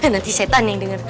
nanti setan yang denger